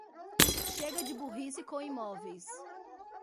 Chega de burrice com imóveis